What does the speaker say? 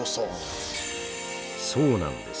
そうなんです。